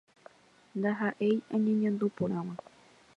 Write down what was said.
"Ndaha'éi añeñandu porãmba